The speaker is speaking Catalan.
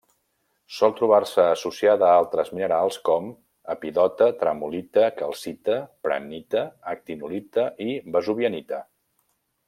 Sol trobar-se associada a altres minerals com: epidota, tremolita, calcita, prehnita, actinolita i vesuvianita.